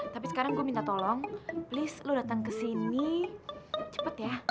tapi sekarang gue minta tolong please lu datang ke sini cepet ya